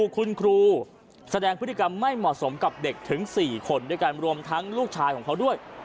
คุณครูแสดงพฤติกรรมไม่เหมาะสมกับเด็กถึง๔คนด้วยกันรวมทั้งลูกชายของเขาด้วย